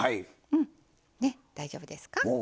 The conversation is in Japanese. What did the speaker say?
大丈夫ですか。